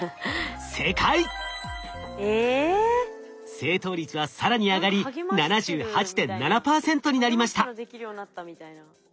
正答率は更に上がり７８．７％になりました。